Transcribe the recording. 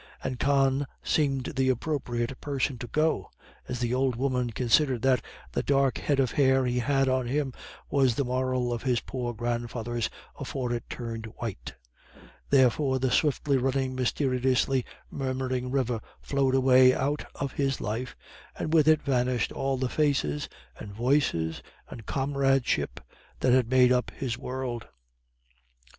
And Con seemed the appropriate person to go, as the old woman considered that "the dark head of hair he had on him was the moral of his poor grandfather's afore it turned white." Therefore the swiftly running mysteriously murmuring river flowed away out of his life, and with it vanished all the faces and voices and comradeship that had made up his world.